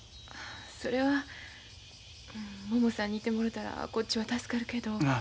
それはももさんにいてもろたらこっちは助かるけど。